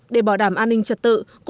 để bảo vệ khách